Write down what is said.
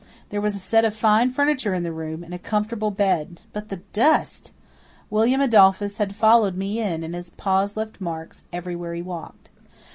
There was a set of fine furniture in the room, and a comfortable bed. But the dust! William Adolphus had followed me in and his paws left marks everywhere he walked.